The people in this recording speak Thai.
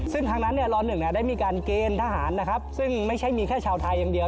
ซึ่งทางนั้นล๑ได้มีการเกณฑ์ทหารนะครับซึ่งไม่ใช่มีแค่ชาวไทยอย่างเดียว